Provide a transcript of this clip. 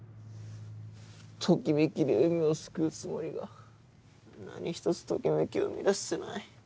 ときめきでうみを救うつもりが何ひとつときめきを生み出せてない。